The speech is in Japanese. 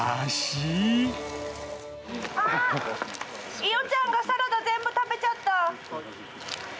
イヨちゃんがサラダ全部食べちゃった！